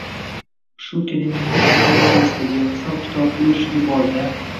shu kelingizning o`ta realistligi, hisob-kitobga o`chligi bor-da